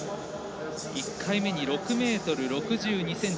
１回目に６ｍ６２ｃｍ。